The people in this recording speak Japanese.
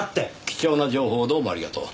貴重な情報をどうもありがとう。